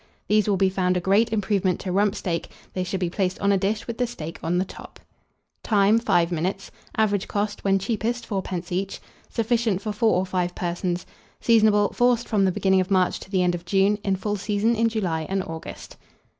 These will be found a great improvement to rump steak: they should be placed on a dish with the steak on the top. Time. 5 minutes. Average cost, when cheapest, 4d. each. Sufficient for 4 or 5 persons. Seasonable. Forced from the beginning of March to the end of June; in full season in July and August.